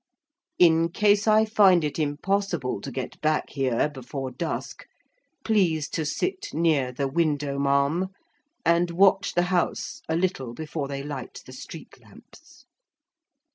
In case I find it impossible to get back here before dusk, please to sit near the window, ma'am, and watch the house, a little before they light the street lamps.